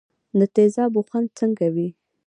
د تیزابو خوند څنګه وي.